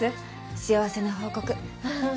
幸せな報告。